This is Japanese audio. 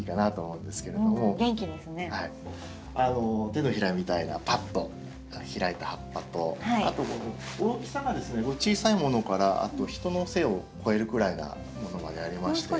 手のひらみたいなパッと開いた葉っぱとあと大きさがですね小さいものから人の背を越えるぐらいなものまでありまして。